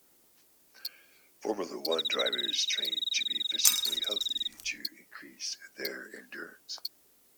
Formula one drivers train to be physically healthy to increase their endurance.